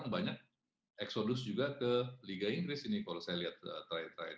banyak eksodus juga ke liga inggris ini kalau saya lihat terakhir terakhir